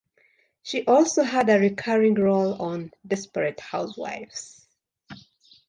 She also had a recurring role on "Desperate Housewives".